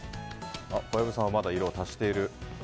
小籔さんはまだ色を足している。